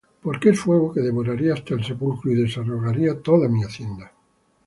Porque es fuego que devoraría hasta el sepulcro, Y desarraigaría toda mi hacienda.